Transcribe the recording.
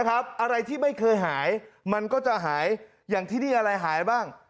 อะไรที่ไม่เคยหายมันก็จะหายอย่างที่นี่อะไรหายบ้าง